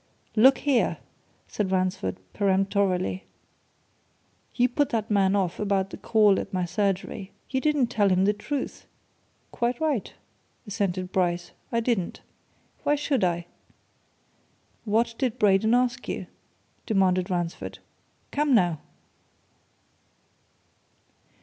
"Look here!" said Ransford peremptorily. "You put that man off about the call at my surgery. You didn't tell him the truth." "Quite right," assented Bryce. "I didn't. Why should I?" "What did Braden ask you?" demanded Ransford. "Come, now?"